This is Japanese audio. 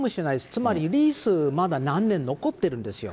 つまり、リースまだ何年残ってるんですよ。